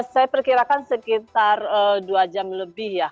saya perkirakan sekitar dua jam lebih ya